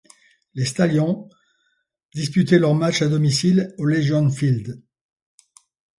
Les Stallions disputaient leurs matchs à domicile au Legion Field.